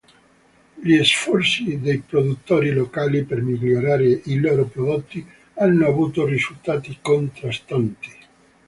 Gli sforzi dei produttori locali per migliorare i loro prodotti hanno avuto risultati contrastanti.